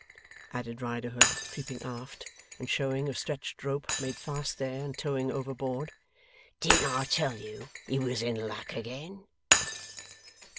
added Riderhood, creeping aft, and showing a stretched rope made fast there and towing overboard. 'Didn't I tell you he was in luck again?